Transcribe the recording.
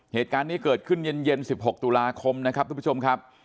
เหตุการณ์นี้เกิดขึ้นเย็น๑๖ตุลาคมนะครับทุกผู้ชมครับ